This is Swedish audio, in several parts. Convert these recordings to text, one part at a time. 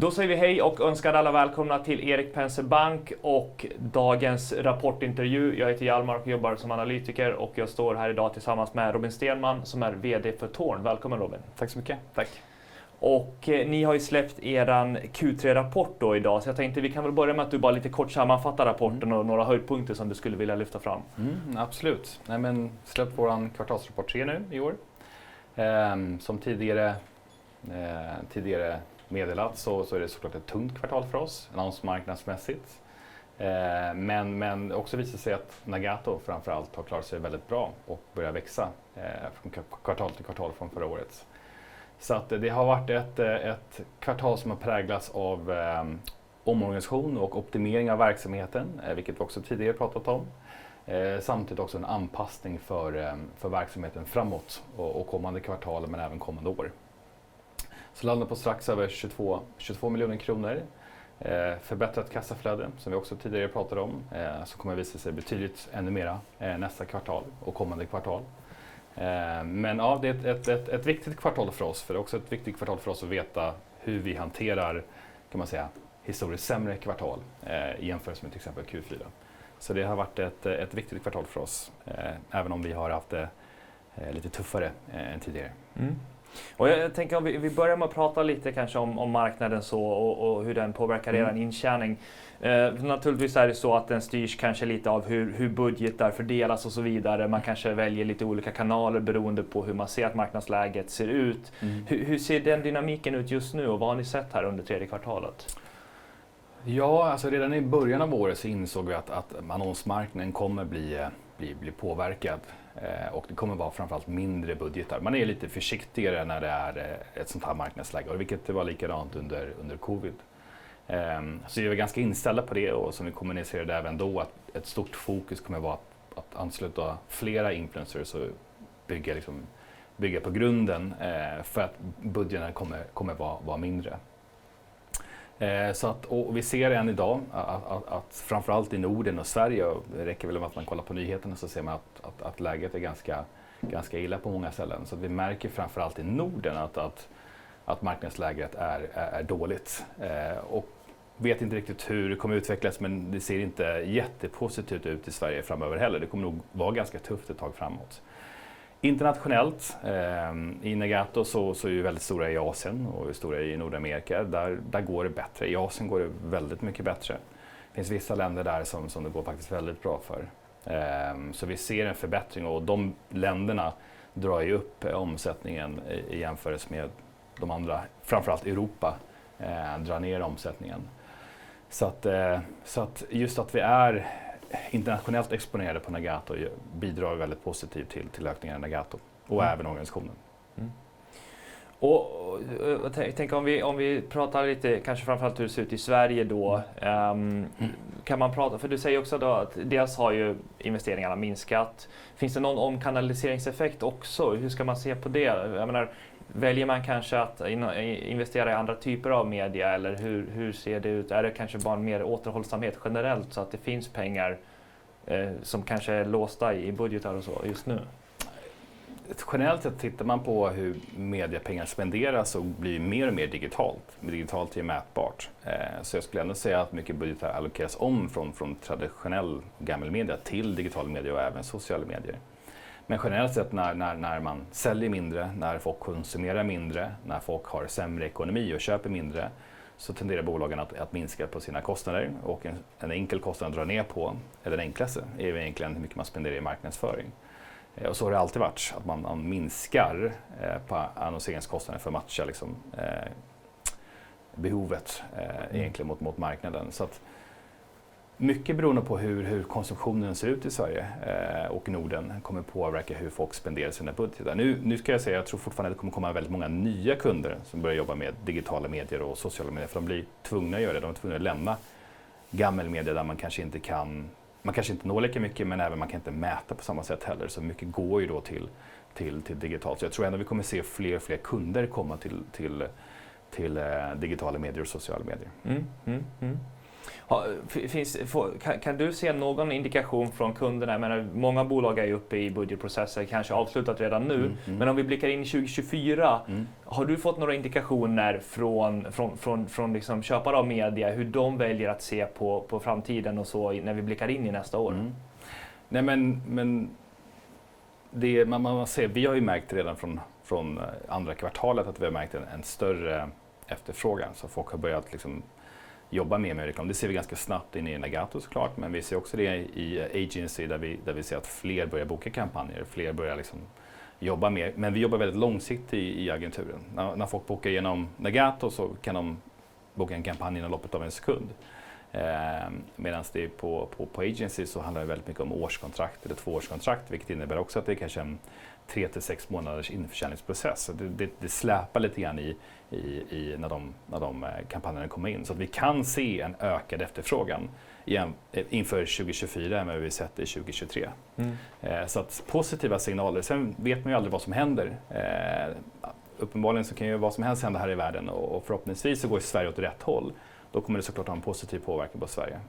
Då säger vi hej och önskar alla välkomna till Erik Penser Bank och dagens rapportintervju. Jag heter Hjalmar och jobbar som analytiker och jag står här idag tillsammans med Robin Stenman, som är VD för Torn. Välkommen Robin! Tack så mycket, tack. Och ni har ju släppt er Q3-rapport då idag. Så jag tänkte, vi kan väl börja med att du bara lite kort sammanfattar rapporten och några höjdpunkter som du skulle vilja lyfta fram. Mm, absolut. Nej, men vi släppte vår kvartalsrapport tre nu i år. Som tidigare meddelat så är det såklart ett tungt kvartal för oss, annonsmarknadsmässigt. Men det visar sig också att Nagato, framför allt, har klarat sig väldigt bra och börjat växa från kvartal till kvartal från förra året. Så det har varit ett kvartal som har präglats av omorganisation och optimering av verksamheten, vilket vi också tidigare pratat om. Samtidigt också en anpassning för verksamheten framåt och kommande kvartal, men även kommande år. Så landar på strax över 22 miljoner kronor, förbättrat kassaflöde, som vi också tidigare pratat om, som kommer att visa sig betydligt ännu mer nästa kvartal och kommande kvartal. Ja, det är ett viktigt kvartal för oss, för det är också ett viktigt kvartal för oss att veta hur vi hanterar, kan man säga, historiskt sämre kvartal i jämförelse med till exempel Q4. Så det har varit ett viktigt kvartal för oss, även om vi har haft det lite tuffare än tidigare. Mm. Och jag tänker om vi börjar med att prata lite kanske om marknaden så och hur den påverkar er intjäning. Naturligtvis är det så att den styrs kanske lite av hur budgetar fördelas och så vidare. Man kanske väljer lite olika kanaler beroende på hur man ser att marknadsläget ser ut. Hur ser den dynamiken ut just nu och vad har ni sett här under tredje kvartalet? Ja, alltså, redan i början av året så insåg vi att annonsmarknaden kommer bli påverkad, och det kommer vara framför allt mindre budgetar. Man är lite försiktigare när det är ett sådant här marknadsläge, vilket det var likadant under covid. Så vi var ganska inställda på det och som vi kommunicerade även då, att ett stort fokus kommer vara att ansluta flera influencers och bygga på grunden för att budgeten kommer vara mindre. Så att vi ser än i dag att framför allt i Norden och Sverige, och det räcker väl med att man kollar på nyheterna, så ser man att läget är ganska illa på många ställen. Så vi märker framför allt i Norden att marknadsläget är dåligt. Och vet inte riktigt hur det kommer utvecklas, men det ser inte jättepositivt ut i Sverige framöver heller. Det kommer nog vara ganska tufft ett tag framåt. Internationellt i Nagato så är vi väldigt stora i Asien och stora i Nordamerika. Där går det bättre. I Asien går det väldigt mycket bättre. Det finns vissa länder där som det går faktiskt väldigt bra för. Så vi ser en förbättring och de länderna drar ju upp omsättningen i jämförelse med de andra, framför allt Europa, drar ner omsättningen. Så att just att vi är internationellt exponerade på Nagato bidrar väldigt positivt till ökningen i Nagato och även organisationen. Mm. Och, jag tänker om vi, om vi pratar lite, kanske framför allt hur det ser ut i Sverige då. Kan man prata-- för du säger också då att dels har ju investeringarna minskat. Finns det någon omkanaliseringseffekt också? Hur ska man se på det? Jag menar, väljer man kanske att investera i andra typer av media eller hur ser det ut? Är det kanske bara en mer återhållsamhet generellt, så att det finns pengar som kanske är låsta i budgetar och så just nu? Generellt sett, tittar man på hur mediapengar spenderas, så blir det mer och mer digitalt. Digitalt är ju mätbart. Så jag skulle ändå säga att mycket budget allokeras om från traditionell gammal media till digital media och även social medier. Men generellt sett, när man säljer mindre, när folk konsumerar mindre, när folk har sämre ekonomi och köper mindre, så tenderar bolagen att minska på sina kostnader och en enkel kostnad att dra ner på, eller den enklaste, är ju egentligen hur mycket man spenderar i marknadsföring. Och så har det alltid varit, att man minskar på annonseringskostnader för att matcha behovet, egentligen mot marknaden. Så att, mycket beroende på hur konsumtionen ser ut i Sverige och i Norden, kommer påverka hur folk spenderar sina budgetar. Nu, nu ska jag säga, jag tror fortfarande att det kommer komma väldigt många nya kunder som börjar jobba med digitala medier och sociala medier, för de blir tvungna att göra det. De är tvungna att lämna gammal media där man kanske inte kan - man kanske inte når lika mycket, men även man kan inte mäta på samma sätt heller. Så mycket går ju då till digitalt. Så jag tror ändå vi kommer se fler och fler kunder komma till digitala medier och sociala medier. Finns kan du se någon indikation från kunderna? Jag menar, många bolag är ju uppe i budgetprocesser, kanske avslutat redan nu. Men om vi blickar in i 2024, har du fått några indikationer från köpare av media, hur de väljer att se på framtiden när vi blickar in i nästa år? Nej, men det man ser, vi har ju märkt redan från andra kvartalet att vi har märkt en större efterfrågan. Så folk har börjat liksom jobba mer med det. Det ser vi ganska snabbt inne i Nagato så klart, men vi ser också det i Agency, där vi ser att fler börjar boka kampanjer, fler börjar liksom jobba mer. Men vi jobbar väldigt långsiktigt i agenturen. När folk bokar igenom Nagato så kan de boka en kampanj inom loppet av en sekund. Medans det på Agency så handlar det väldigt mycket om årskontrakt eller tvåårskontrakt, vilket innebär också att det är kanske en tre till sex månaders införsäljningsprocess. Det släpar lite grann i när de kampanjerna kommer in. Så vi kan se en ökad efterfrågan inför 2024 med hur vi sett det i 2023. Mm. Så att positiva signaler. Sen vet man ju aldrig vad som händer. Uppenbarligen så kan ju vad som helst hända här i världen och förhoppningsvis så går Sverige åt rätt håll. Då kommer det så klart ha en positiv påverkan på Sverige.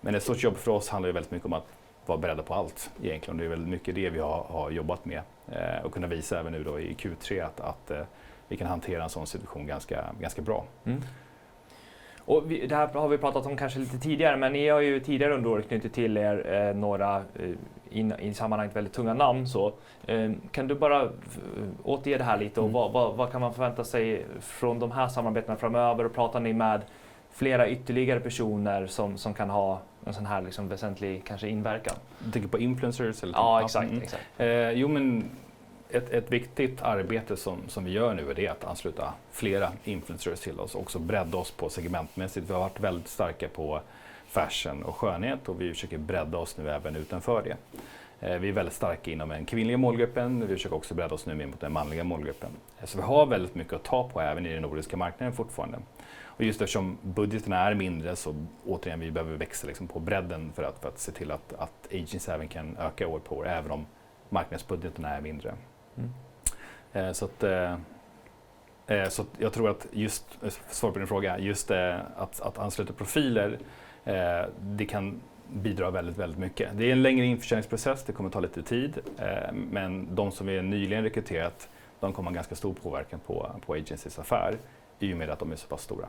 Men ett stort jobb för oss handlar ju väldigt mycket om att vara beredda på allt, egentligen. Det är väldigt mycket det vi har jobbat med och kunna visa även nu då i Q3 att vi kan hantera en sådan situation ganska bra. Mm. Och vi, det här har vi pratat om kanske lite tidigare, men ni har ju tidigare under året knutit till er några, i sammanhanget, väldigt tunga namn så. Kan du bara återge det här lite? Och vad, vad kan man förvänta sig från de här samarbetena framöver? Pratar ni med flera ytterligare personer som, som kan ha en sådan här, liksom, väsentlig kanske inverkan? Du tänker på influencers eller? Ja, exakt. Jo, men ett viktigt arbete som vi gör nu är det att ansluta flera influencers till oss och så bredda oss segmentmässigt. Vi har varit väldigt starka på fashion och skönhet och vi försöker bredda oss nu även utanför det. Vi är väldigt starka inom den kvinnliga målgruppen. Vi försöker också bredda oss nu mer mot den manliga målgruppen. Så vi har väldigt mycket att ta på, även i den nordiska marknaden fortfarande. Just eftersom budgeten är mindre, så återigen, vi behöver växa på bredden för att se till att Agency även kan öka år på år, även om marknadsbudgeten är mindre. Så att jag tror att just, svar på din fråga, att ansluta profiler, det kan bidra väldigt mycket. Det är en längre införsäljningsprocess, det kommer att ta lite tid, men de som vi nyligen rekryterat, de kommer att ha ganska stor påverkan på Agencys affär i och med att de är så pass stora.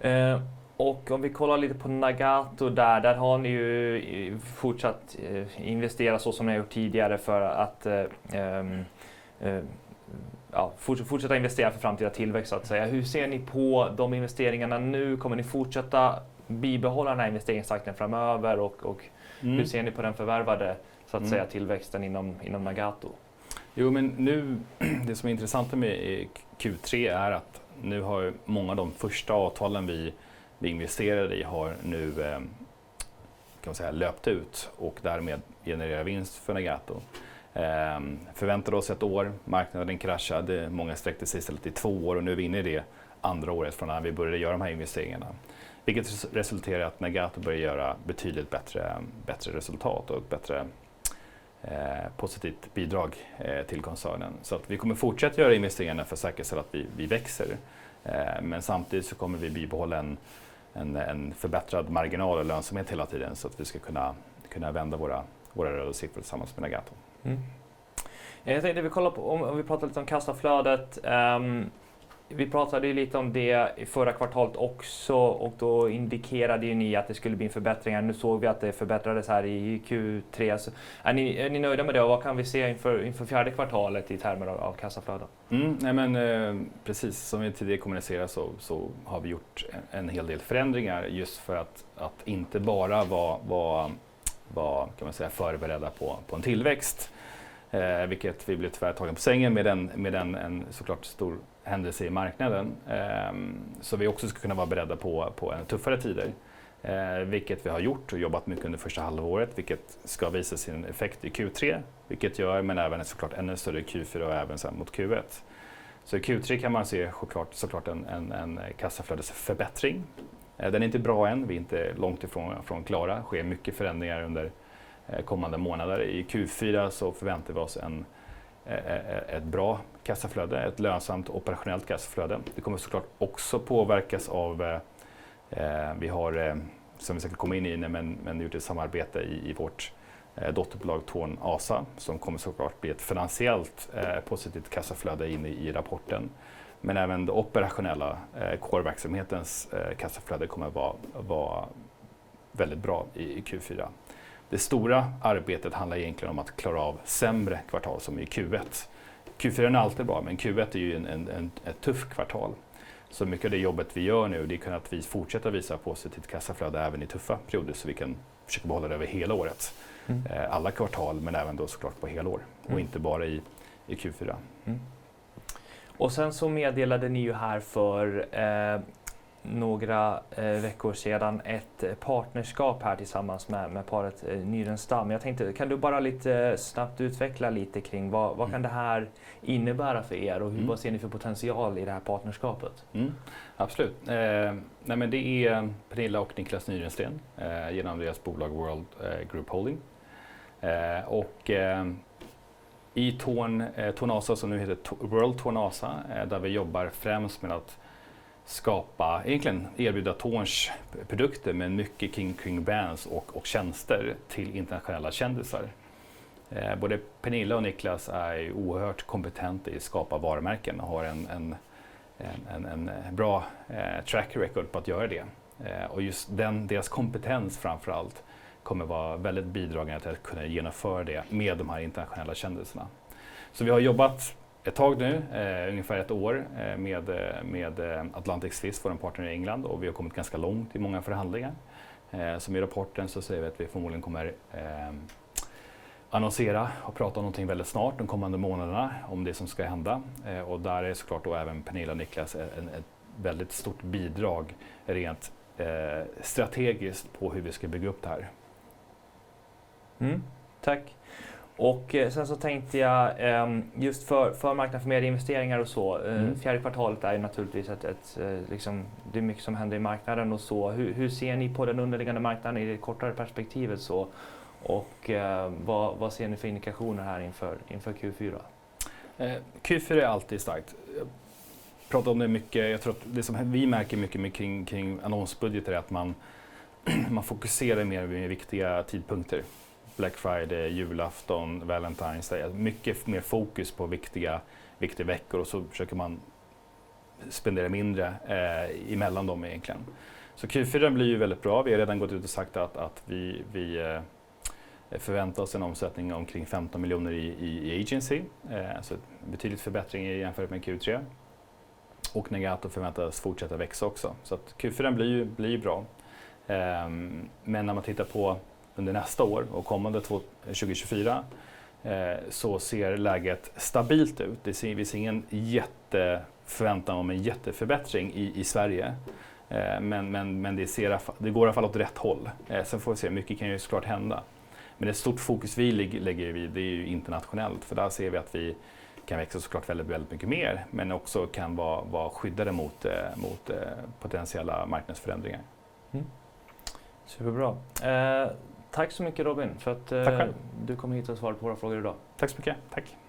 Mm. Och om vi kollar lite på Nagato där, där har ni ju fortsatt investera så som ni gjort tidigare för att, eh, ja, fortsätta investera för framtida tillväxt, så att säga. Hur ser ni på de investeringarna nu? Kommer ni fortsätta bibehålla den här investeringstakten framöver och hur ser ni på den förvärvade, så att säga, tillväxten inom Nagato? Jo, men nu, det som är intressant med Q3 är att nu har många de första avtalen vi investerade i nu, kan man säga, löpt ut och därmed genererar vinst för Nagato. Förväntade oss ett år, marknaden kraschade, många sträckte sig istället i två år och nu är vi inne i det andra året från när vi började göra de här investeringarna. Vilket resulterar i att Nagato börjar göra betydligt bättre resultat och ett bättre positivt bidrag till koncernen. Vi kommer att fortsätta göra investeringarna för att säkerställa att vi växer. Men samtidigt så kommer vi bibehålla en förbättrad marginal och lönsamhet hela tiden, så att vi ska kunna vända våra röda siffror tillsammans med Nagato. Mm. Jag tänkte vi kollar på, om vi pratar lite om kassaflödet. Vi pratade lite om det förra kvartalet också och då indikerade ju ni att det skulle bli en förbättring. Nu såg vi att det förbättrades här i Q3. Är ni nöjda med det? Och vad kan vi se inför fjärde kvartalet i termer av kassaflöde? Nej men, precis, som vi tidigare kommunicerat så har vi gjort en hel del förändringar, just för att inte bara vara förberedda på en tillväxt, vilket vi blev tyvärr tagen på sängen med en så klart stor händelse i marknaden. Vi ska också kunna vara beredda på tuffare tider, vilket vi har gjort och jobbat mycket under första halvåret, vilket ska visa sin effekt i Q3, men även så klart ännu större i Q4 och även sen mot Q1. I Q3 kan man se så klart en kassaflödesförbättring. Den är inte bra än, vi är inte långt ifrån klara. Sker mycket förändringar under kommande månader. I Q4 så förväntar vi oss ett bra kassaflöde, ett lönsamt operationellt kassaflöde. Det kommer så klart också påverkas av, vi har, som vi säkert kommer in i, men gjort ett samarbete i vårt dotterbolag Torn ASA, som kommer så klart bli ett finansiellt positivt kassaflöde in i rapporten. Även det operationella Kårverksamhetens kassaflöde kommer vara väldigt bra i Q4. Det stora arbetet handlar egentligen om att klara av sämre kvartal som i Q1. Q4 är alltid bra, men Q1 är ett tufft kvartal. Mycket av det jobbet vi gör nu, det är kunna att vi fortsätta visa positivt kassaflöde även i tuffa perioder, så vi kan försöka behålla det över hela året. Alla kvartal, men även då så klart på helår och inte bara i Q4. Mm. Och sen så meddelade ni ju här för, eh, några veckor sedan ett partnerskap här tillsammans med paret Nyrén Stam. Jag tänkte, kan du bara lite snabbt utveckla lite kring vad det här kan innebära för er? Och vad ser ni för potential i det här partnerskapet? Mm, absolut. Nej, men det är Pernilla och Niklas Nyrén Sten, genom deras bolag World Group Holding. Och i Torn, Torn ASA, som nu heter World Torn ASA, där vi jobbar främst med att skapa, egentligen erbjuda Torns produkter med mycket kring bands och tjänster till internationella kändisar. Både Pernilla och Niklas är ju oerhört kompetenta i att skapa varumärken och har en bra track record på att göra det. Och just den, deras kompetens framför allt, kommer vara väldigt bidragande till att kunna genomföra det med de här internationella kändisarna. Så vi har jobbat ett tag nu, ungefär ett år, med Atlantic Twist, vår partner i England, och vi har kommit ganska långt i många förhandlingar. Som i rapporten så säger vi att vi förmodligen kommer annonsera och prata om någonting väldigt snart, de kommande månaderna, om det som ska hända. Och där är så klart då även Pernilla och Niklas, ett väldigt stort bidrag, rent strategiskt, på hur vi ska bygga upp det här. Mm, tack. Och sen så tänkte jag, just för marknad, för mer investeringar och så. Fjärde kvartalet är naturligtvis ett, liksom, det är mycket som händer i marknaden och så. Hur ser ni på den underliggande marknaden i det kortare perspektivet så? Och vad ser ni för indikationer här inför Q4? Q4 är alltid starkt. Pratat om det mycket. Jag tror att det som vi märker mycket kring annonsbudgetar är att man fokuserar mer vid viktiga tidpunkter. Black Friday, julafton, Valentine's Day. Mycket mer fokus på viktiga veckor och så försöker man spendera mindre i mellan dem egentligen. Så Q4 blir ju väldigt bra. Vi har redan gått ut och sagt att vi förväntar oss en omsättning om kring 15 miljoner i Agency. Så betydligt förbättring i jämförelse med Q3. Och Nagato förväntas fortsätta växa också. Så att Q4 blir bra. Men när man tittar på under nästa år och kommande två, 2024, så ser läget stabilt ut. Det ser vi ingen jätteförväntan om en jätteförbättring i Sverige, men det ser i alla fall, det går i alla fall åt rätt håll. Sen får vi se, mycket kan ju så klart hända, men ett stort fokus vi lägger vid, det är ju internationellt, för där ser vi att vi kan växa så klart väldigt, väldigt mycket mer, men också kan vara skyddade mot potentiella marknadsförändringar. Mm. Superbra. Eh, tack så mycket, Robin. Tack! för att du kom hit och svarade på våra frågor idag. Tack så mycket. Tack!